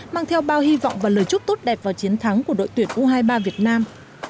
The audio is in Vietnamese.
mang theo bao hy vọng và lời chúc tốt đẹp vào chiến thắng của đội tuyển u hai mươi ba việt nam